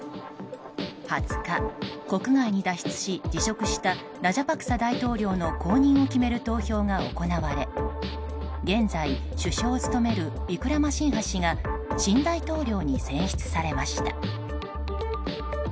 ２０日、国外に脱出し辞職したラジャパクサ大統領の後任を決める投票が行われ現在、首相を務めるウィクラマシンハ氏が新大統領に選出されました。